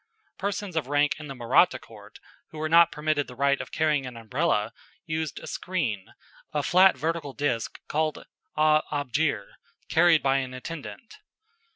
Persons of rank in the Mahratta court, who were not permitted the right of carrying an Umbrella, used a screen, a flat vertical disc called AA' ab gir, carried by an attendant.